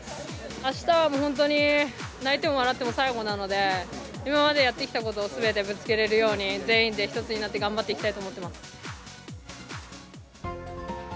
あしたは本当に泣いても笑っても最後なので、今までやってきたことをすべてぶつけれるように、全員で一つになって頑張っていきたいと思ってます。